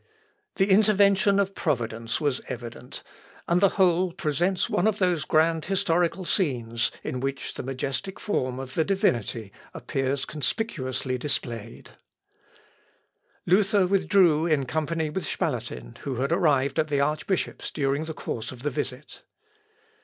The intervention of Providence was evident, and the whole presents one of those grand historical scenes in which the majestic form of the Divinity appears conspicuously displayed. Totum imperium ad se conversum spectabat. (Pallavicini, i, p. 120.) Luther withdrew in company with Spalatin who had arrived at the archbishop's during the course of the visit.